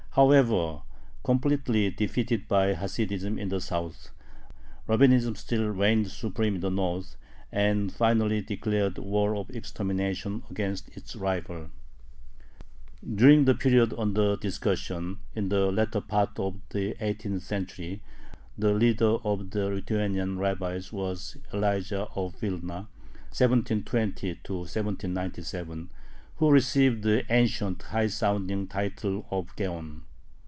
However, completely defeated by Hasidism in the South, Rabbinism still reigned supreme in the North, and finally declared a war of extermination against its rival. During the period under discussion, in the latter part of the eighteenth century, the leader of the Lithuanian rabbis was Elijah of Vilna (1720 1797), who received the ancient, high sounding title of Gaon.